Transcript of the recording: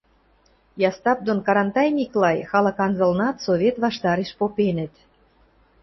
Ястап дон Карантай Миклай халык анзылнат Совет ваштареш попенӹт.